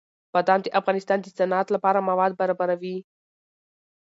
بادام د افغانستان د صنعت لپاره مواد برابروي.